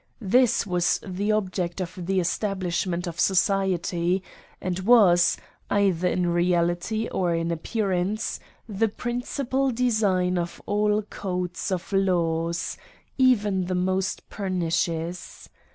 This was the object of the establishment of society, and was, either in reality or in appearance, the principal design of all codes of laws, even the most perni cious.